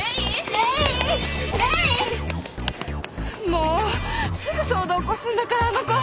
もうすぐ騒動起こすんだからあの子。